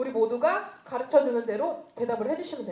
รู้สึกว่าชื่อทำไมจะมา